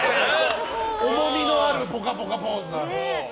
重みのあるぽかぽかポーズ。